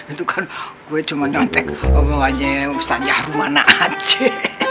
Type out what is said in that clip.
itu kan gue cuma nyontek omongannya ustaz nyahrul mana aja